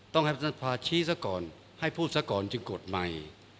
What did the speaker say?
ต้องให้ประธานสภาชี้ซะก่อนให้พูดซะก่อนจึงกดใหม่